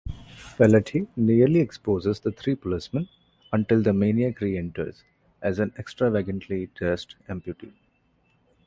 Feletti nearly exposes the three policemen, until the Maniac reenters, as an extravagantly-dressed amputee.